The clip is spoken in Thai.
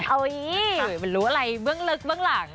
เอ้ยไม่รู้อะไรเบื้องลึกเบื้องหลัง